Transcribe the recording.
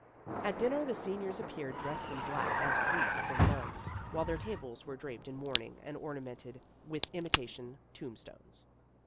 At dinner the seniors appeared dressed in black as priests and nuns, while their tables were draped in mourning and ornamented with imitation tombstones.